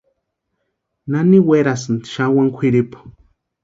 Nani werasïnti xani wani kwʼiripu.